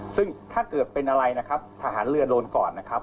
ซึ่งถ้าเกิดเป็นอะไรนะครับทหารเรือโดนก่อนนะครับ